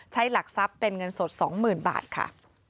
ใช้หลักทรัพย์เป็นเงินสด๒หมื่นบาทค่ะ